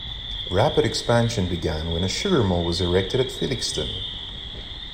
Rapid expansion began when a sugar mill was erected at Felixton.